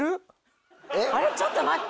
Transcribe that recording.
ちょっと待って。